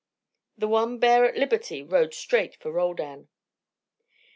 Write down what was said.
The one bear at liberty rode straight for Roldan.